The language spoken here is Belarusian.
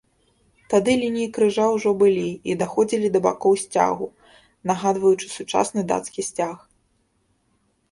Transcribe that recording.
Тады лініі крыжа ўжо былі і даходзілі да бакоў сцягу, нагадваючы сучасны дацкі сцяг.